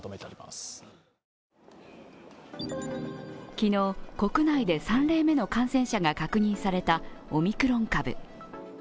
昨日、国内で３例目の感染者が確認されたオミクロン株。